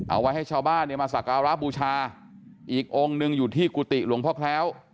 เอาไว้ให้ชาวบ้านเนี่ยมาสักการะบูชาอีกองค์หนึ่งอยู่ที่กุฏิหลวงพ่อแคล้ว